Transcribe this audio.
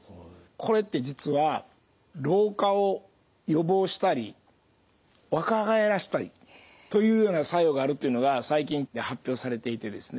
これって実は老化を予防したり若返らしたりというような作用があるというのが最近発表されていてですね